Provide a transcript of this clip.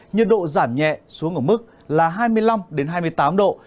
nhiệt độ giảm nhẹ xuống ở mức là hai mươi năm hai mươi tám độ